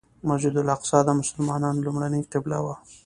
مسجد الاقصی د مسلمانانو لومړنۍ قبله وه.